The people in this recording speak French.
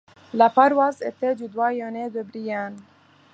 La paroisse était du doyenné de Brienne.